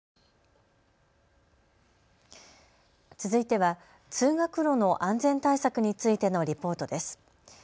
続いては通学路の安全対策についてのリポートです。